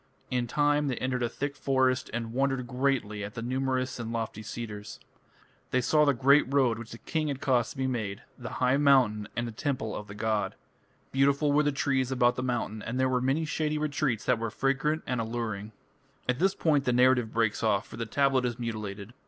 In time they entered a thick forest, and wondered greatly at the numerous and lofty cedars. They saw the great road which the king had caused to be made, the high mountain, and the temple of the god. Beautiful were the trees about the mountain, and there were many shady retreats that were fragrant and alluring. At this point the narrative breaks off, for the tablet is mutilated.